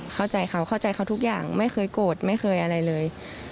เข้าใจเขาเข้าใจเขาทุกอย่างไม่เคยโกรธไม่เคยอะไรเลย